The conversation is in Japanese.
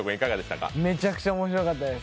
めちゃくちゃ面白かったです。